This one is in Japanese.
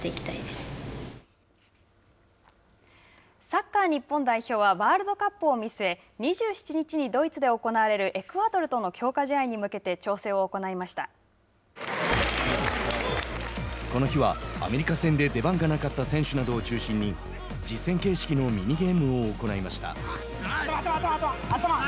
サッカー日本代表はワールドカップを見据え２７日にドイツで行われるエクアドルとの強化試合に向けてこの日はアメリカ戦で出番がなかった選手などを中心に実戦形式のミニゲームを行いました。